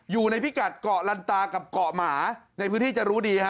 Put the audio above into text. พิกัดเกาะลันตากับเกาะหมาในพื้นที่จะรู้ดีฮะ